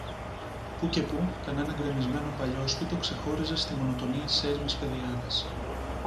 Πού και πού, κανένα γκρεμισμένο παλιόσπιτο ξεχώριζε στη μονοτονία της έρημης πεδιάδας.